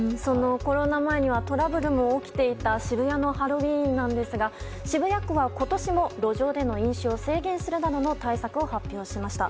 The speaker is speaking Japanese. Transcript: コロナ前にはトラブルも起きていた渋谷のハロウィーンですが渋谷区は今年も路上での飲酒を制限するなどの対策を発表しました。